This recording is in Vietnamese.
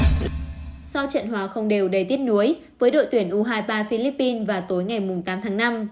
sau trận hóa không đều đầy tiết núi với đội tuyển u hai mươi ba philippines vào tối ngày tám tháng năm